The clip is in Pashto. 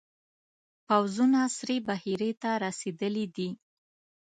پوځونه سرې بحیرې ته رسېدلي دي.